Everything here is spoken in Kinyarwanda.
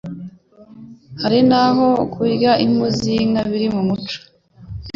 Hari n'aho kurya impu z'inka biri mu muco.